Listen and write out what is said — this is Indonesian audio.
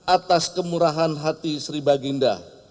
atas kemurahan hati sri baginda